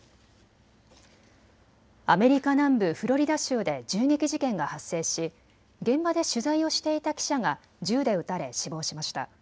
アメリカ南部フロリダ州で銃撃事件が発生し現場で取材をしていた記者が銃で撃たれ死亡しました。